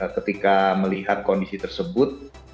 ketika melihat kondisi tersebut